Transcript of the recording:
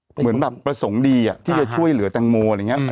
เหมือนแบบประสงค์ดีที่จะช่วยเหลือแตงโมอะไรอย่างนี้